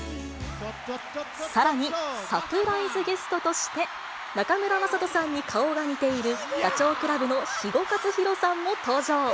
さらに、サプライズゲストとして、中村正人さんに顔が似ている、ダチョウ倶楽部の肥後克広さんも登場。